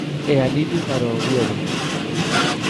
E alivio para o Oviedo.